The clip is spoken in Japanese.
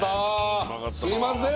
すいません